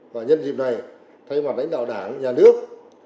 và nhân dịp này thay mặt lãnh đạo đảng nhà nước